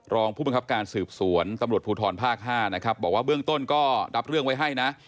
รองผู้บังคับการสืบสวนตำรวจภูทรภาค๕นะครับบอกว่าเบื้องต้นก็รับเรื่องไว้ให้นะ